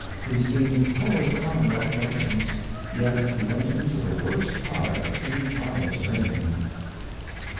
He seemed full of commonwealth notions, yet he went into the worst part of King Charles's reign.'